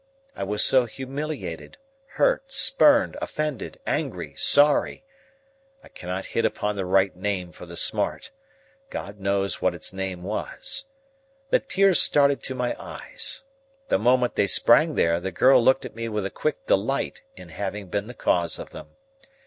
I was so humiliated, hurt, spurned, offended, angry, sorry,—I cannot hit upon the right name for the smart—God knows what its name was,—that tears started to my eyes. The moment they sprang there, the girl looked at me with a quick delight in having been the cause of them.